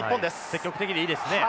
積極的でいいですね。